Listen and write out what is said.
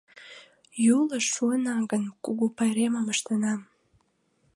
— Юлыш шуына гын, кугу пайремым ыштена.